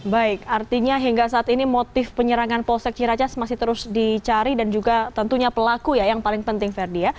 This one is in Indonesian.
baik artinya hingga saat ini motif penyerangan polsek ciracas masih terus dicari dan juga tentunya pelaku ya yang paling penting ferdi ya